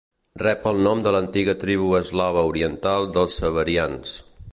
Rep el nom de l'antiga tribu eslava oriental dels severians.